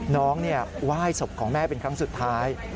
น้องไหว้ศพของแม่เป็นครั้งสุดท้าย